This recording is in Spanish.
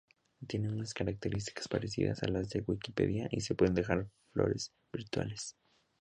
Tiene unas características parecidas a las de Wikipedia y se pueden dejar flores virtuales.